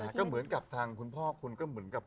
ก็เหมือนกับคุณพ่อคุณแบบ